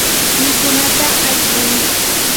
mikunata aypuy.